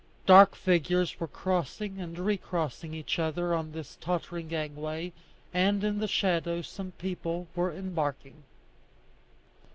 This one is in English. Dark figures were crossing and recrossing each other on this tottering gangway, and in the shadow some people were embarking.